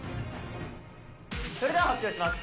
それでは発表します。